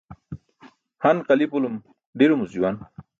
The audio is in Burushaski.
Han qali̇pulum ḍiromuc juwan.